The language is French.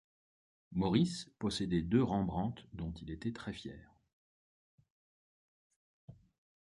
Maurice possédait deux Rembrandt dont il était très fier.